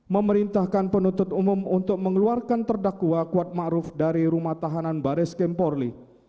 memerintahkan penuntut umum untuk mengeluarkan terdakwa kuat maruh dari rumah tahanan baris kemporli